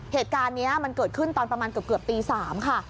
เหตุการณ์นี้มันเกิดขึ้นตอนประมาณเกือบตี๓ค่ะ